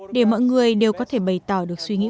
để mọi người đều có thể bày tỏ được suy nghĩ